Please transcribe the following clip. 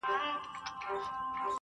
یو ځل د کرکټ یوې برنامې لپاره